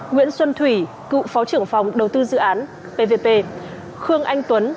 phạm xuân diệu cựu phó trưởng phòng đầu tư dự án pvb khương anh tuấn